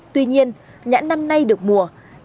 tuy nhiên nhãn năm nay được mùa